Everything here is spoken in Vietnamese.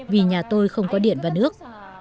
vì nhà tôi không có điện và nước